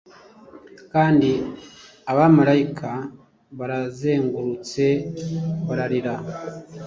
Kandi Abamarayika barazengurutse bararira,